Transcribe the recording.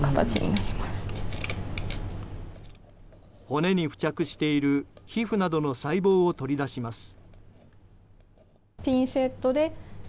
骨に付着している皮膚などの細胞を取り出します。